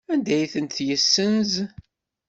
Anda ay tent-yessenz?